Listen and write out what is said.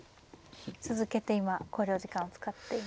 続けて今考慮時間を使っていますね。